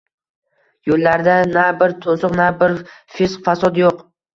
Yo`llarida na bir to`siq, na bir fisq-fasod yo`q